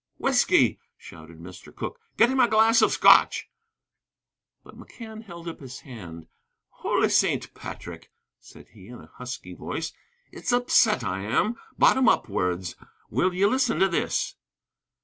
"Whiskey!" shouted Mr. Cooke. "Get him a glass of Scotch!" But McCann held up his hand. "Holy Saint Patrick!" he said, in a husky voice, "it's upset I am, bottom upwards. Will ye listen to this?"